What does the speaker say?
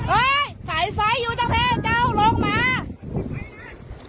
เอ๊ะสายไฟอยู่ตั้งเธอเจ้าลงมา